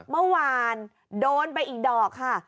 เมื่อวานโดนไปอีกดอกค่ะ